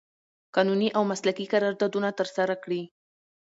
قانوني او مسلکي قراردادونه ترسره کړي